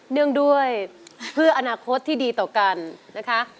เนื่องด้วยเพื่ออนาคตที่ดีต่อกันนะคะ